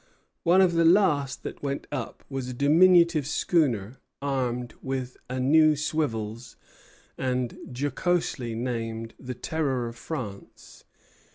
One of the last that went up was a diminutive schooner, armed with a few swivels, and jocosely named the "Terror of France."